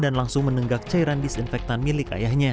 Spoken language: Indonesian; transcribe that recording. dan langsung menenggak cairan disinfektan milik ayahnya